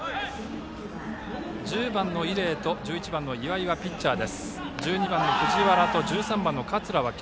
１０番の伊禮と１１番の岩井がピッチャー。